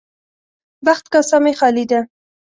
بخت کاسه مې خالي ده.